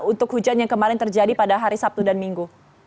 untuk hujan yang kemarin terjadi pada hari sabtu dan minggu